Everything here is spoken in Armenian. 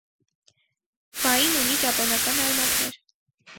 Բաին ունի ճապոնական արմատներ։